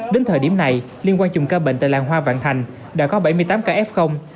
đến thời điểm này liên quan chùm ca bệnh tại làng hoa vạn thành đã có bảy mươi tám ca f